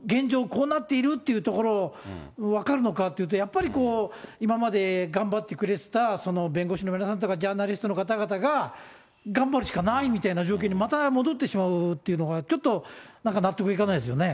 こうなっているというところを、分かるのかというと、やっぱりこう、今まで頑張ってくれてた弁護士の皆さんとか、ジャーナリストの方々が頑張るしかないみたいな状況に、また戻ってしまうというのが、ちょっとなんか納得いかないですよね。